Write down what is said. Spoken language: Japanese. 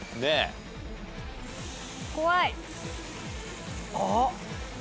怖い。